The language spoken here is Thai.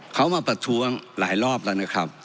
เขามาประท้วงหลายรอบแล้วนะครับ